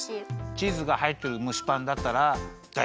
チーズがはいってるむしパンだったらだいすき？